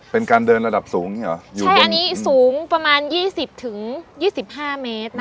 เป็นการเดินระดับสูงอย่างนี้เหรออยู่ใช่อันนี้สูงประมาณยี่สิบถึงยี่สิบห้าเมตรนะคะ